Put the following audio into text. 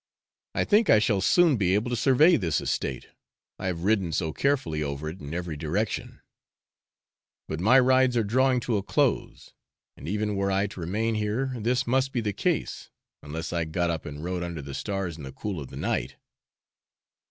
I think I shall soon be able to survey this estate, I have ridden so carefully over it in every direction; but my rides are drawing to a close and even were I to remain here this must be the case unless I got up and rode under the stars in the cool of the night.